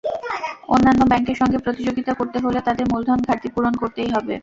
অন্যান্য ব্যাংকের সঙ্গে প্রতিযোগিতা করতে হলে তাদের মূলধন ঘাটতি পূরণ করতেই হবে।